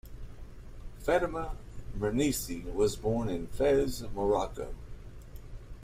Fatema Mernissi was born in Fez, Morocco.